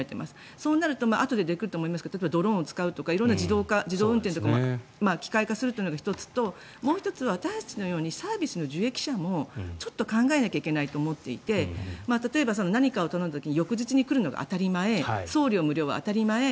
そうなるとあとで出てくると思いますがドローンを使うとか色々な自動化、自動運転とか機械化するということが１つともう１つ、私たちのようにサービスの受益者もちょっと考えなきゃいけないと思っていて例えば何かを頼んだ時に翌日に来るのが当たり前送料無料は当たり前